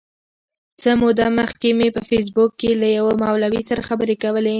څه موده مخکي مي په فېسبوک کي له یوه مولوي سره خبري کولې.